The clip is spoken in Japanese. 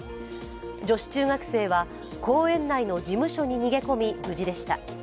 女子中学生は、公園内の事務所に逃げ込み、無事でした。